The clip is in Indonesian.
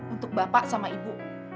untuk bapak sama ibu